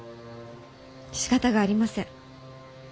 しかたがありません。